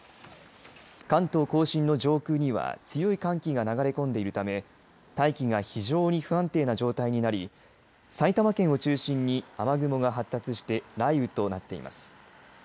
関東甲信の上空には強い寒気が流れ込んでいるため大気が非常に不安定な状態になり埼玉県を中心に雨雲が発達して雷雨となっています。